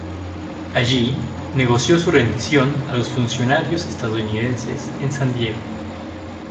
Allí negoció su rendición a los funcionarios estadounidenses en San Diego.